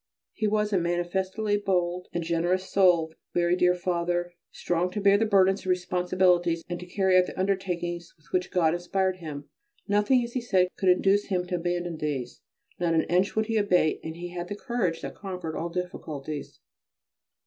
His was a manifestly bold and generous soul, very dear Father, strong to bear burdens and responsibilities and to carry out the undertakings with which God inspired him. Nothing, as he said, could induce him to abandon these; not an inch would he abate, and he had a courage that conquered all difficulties.